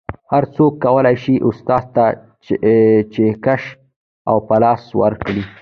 هر څوک کولی شي استاد ته چکش او پلاس ورکړي